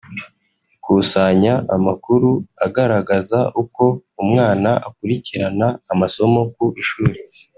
Ikusanya amakuru agaragaza uko umwana akurikirirana amasomo ku ishuri